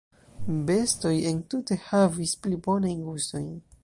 "Bestoj entute havis pli bonajn gustojn."